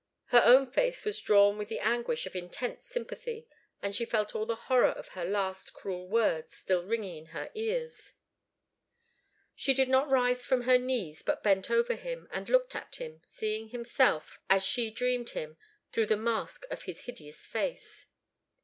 Her own face was drawn with the anguish of intense sympathy, and she felt all the horror of her last cruel words still ringing in her ears. She did not rise from her knees, but bent over him, and looked at him, seeing himself, as she dreamed him, through the mask of his hideous face.